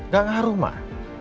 gak ngaruh mak